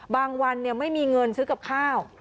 วันไม่มีเงินซื้อกับข้าว